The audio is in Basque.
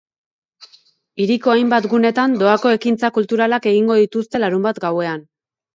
Hiriko hainbat gunetan doako ekintza kulturalak egingo dituzte larunbat gauean.